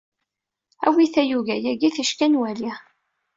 Awi tayuga yagi ticki anwali.